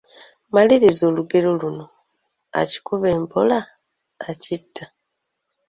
Maliriza olugero luno: Akikuba empola akitta, …….